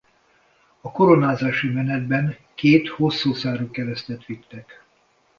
A koronázási menetben két hosszú szárú keresztet vittek.